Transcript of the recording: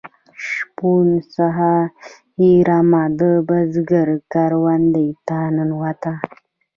شپون څخه یې رمه د بزگر کروندې ته ننوته.